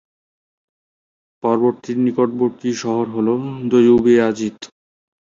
পর্বতটির নিকটবর্তী শহর হল দোয়ুবেয়াজিত।